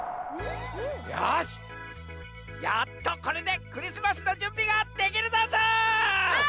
よしやっとこれでクリスマスのじゅんびができるざんす！